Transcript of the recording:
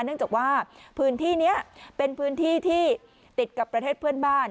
เนื่องจากว่าพื้นที่นี้เป็นพื้นที่ที่ติดกับประเทศเพื่อนบ้าน